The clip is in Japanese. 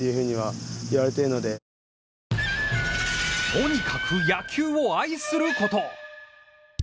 とにかく野球を愛すること。